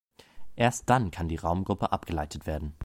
Erst dann kann die Raumgruppe abgeleitet werden.